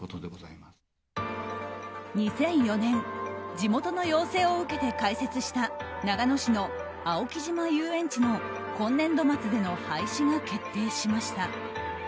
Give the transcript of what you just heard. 地元の要請を受けて開設した長野市の青木島遊園地の今年度末での廃止が決定しました。